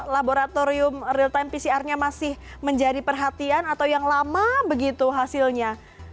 laboratorium real time pcr nya masih menjadi perhatian atau yang lama begitu hasilnya